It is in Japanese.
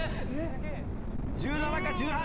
１７か１８！